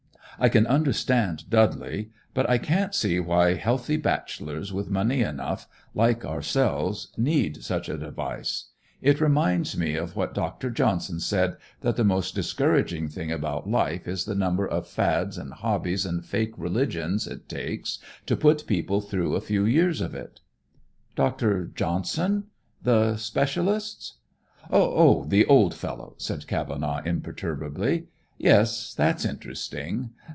I can understand Dudley; but I can't see why healthy bachelors, with money enough, like ourselves, need such a device. It reminds me of what Dr. Johnson said, that the most discouraging thing about life is the number of fads and hobbies and fake religions it takes to put people through a few years of it." "Dr. Johnson? The specialist? Oh, the old fellow!" said Cavenaugh imperturbably. "Yes, that's interesting.